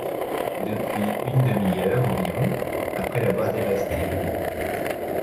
depuis une demi-heure environ, après l’avoir dévasté !